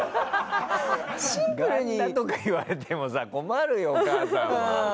「ガンダ」とか言われてもさ困るよお母さんは。